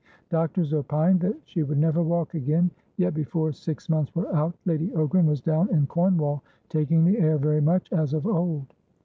Doctors opined that she would never walk again; yet, before six months were out, Lady Ogram was down in Cornwall, taking the air very much as of old.